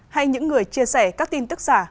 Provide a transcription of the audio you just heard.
hay những người chia sẻ các tin tức giả